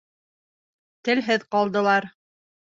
Телһеҙ ҡалдылар.